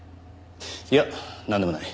いやなんでもない。